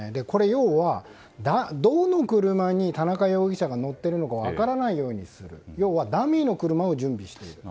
要は、どの車に田中容疑者が乗っているのか分からないようにするダミーの車を準備している。